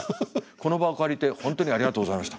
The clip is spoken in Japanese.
この場を借りて本当にありがとうございました。